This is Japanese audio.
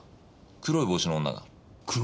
黒い帽子の女？